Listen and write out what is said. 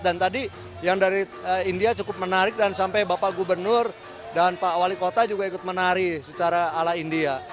dan tadi yang dari india cukup menarik dan sampai bapak gubernur dan pak wali kota juga ikut menari secara ala india